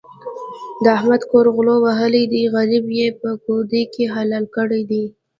د احمد کور غلو وهلی دی؛ غريب يې په کودي کې حلال کړی دی.